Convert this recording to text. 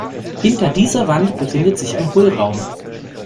Hinter dieser Wand befindet sich ein Hohlraum.